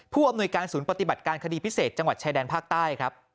ผู้อำนวยการศูนย์ปฏิบัติการคดีพิเศษจังหวัดชายแดนภาคใต้ครับ